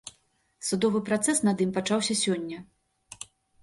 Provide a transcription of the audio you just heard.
Судовы працэс над ім пачаўся сёння.